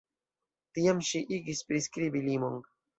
Tiam ŝi igis priskribi limon.